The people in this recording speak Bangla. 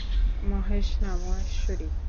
মহেশ না, মহেশ্বরী!